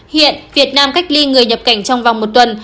hiện việt nam cách ly người nhập cảnh trong vòng một tuần